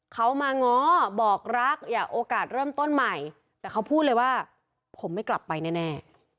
เขามาง้อบอกรักอยากโอกาสเริ่มต้นใหม่แต่เขาพูดเลยว่าผมไม่กลับไปแน่